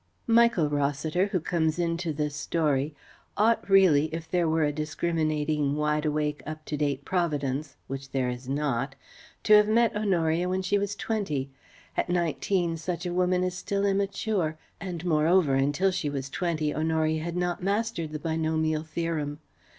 Michael Rossiter, who comes into this story, ought really if there were a discriminating wide awake, up to date Providence which there is not to have met Honoria when she was twenty. (At nineteen such a woman is still immature; and moreover until she was twenty, Honoria had not mastered the Binomial Theorem.)